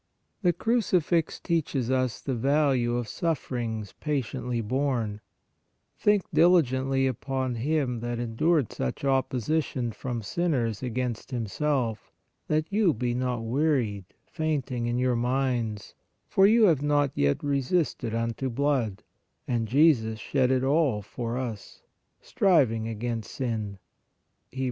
The Crucifix teaches us the value of sufferings patiently borne :" Think diligently upon Him that endured such opposition from sinners against Him self, that you be not wearied, fainting in your minds, for you have not yet resisted unto blood (and Jesus shed it all for us), striving against sin" (Hebr.